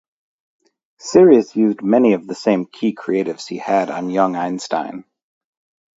Serious used many of the same key creatives he had on "Young Einstein".